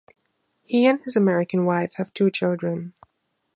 He and his American wife have two children.